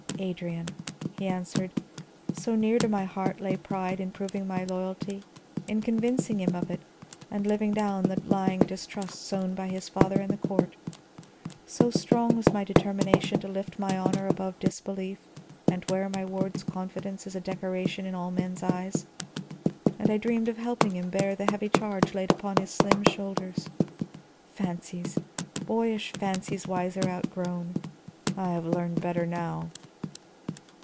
"Adrian," he answered. "So near to my heart lay pride in proving my loyalty, in convincing him of it and living down the lying distrust sown by his father and the court, so strong was my determination to lift my honor above disbelief and wear my ward's confidence as a decoration in all men's eyes. And I dreamed of helping him bear the heavy charge laid upon his slim shoulders. Fancies, boyish fancies wiser outgrown; I have learned better now."